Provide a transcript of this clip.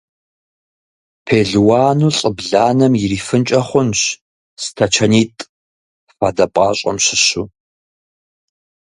Пелуану лӀы бланэм ирифынкӀэ хъунщ стачанитӀ фадэ пӀащӀэм щыщу.